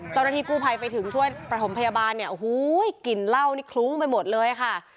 เจ้าหน้าที่กู้ภัยไปถึงช่วยประถมพยาบาลเนี่ยโอ้โหกลิ่นเหล้านี่คลุ้งไปหมดเลยค่ะ